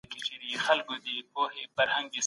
د ټولنيز ژوند ډېر اړخونه تر اوسه پټ پاته دي.